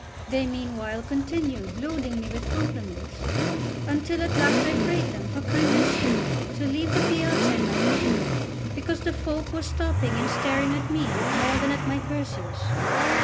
They meanwhile continued loading me with compliments, until at last I prayed them, for kindness' sake, to leave the piazza in my company, because the folk were stopping and staring at me more than at my Perseus.